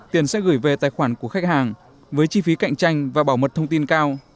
tiền sẽ gửi về tài khoản của khách hàng với chi phí cạnh tranh và bảo mật thông tin cao